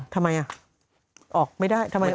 ทำไมอ่ะออกไม่ได้